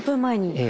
ええ。